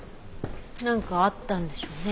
何かあったんでしょうね。